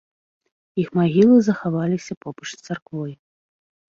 Іх магілы захаваліся побач з царквой.